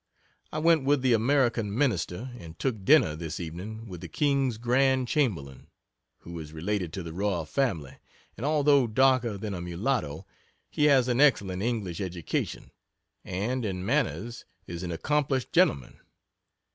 I went with the American Minister and took dinner this evening with the King's Grand Chamberlain, who is related to the royal family, and although darker than a mulatto, he has an excellent English education and in manners is an accomplished gentleman.